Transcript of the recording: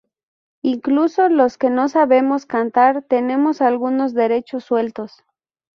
incluso los que no sabemos cantar tenemos algunos derechos sueltos